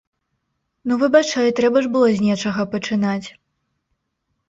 Ну выбачай, трэба ж было з нечага пачынаць.